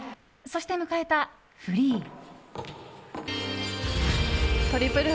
そして迎えたフリー。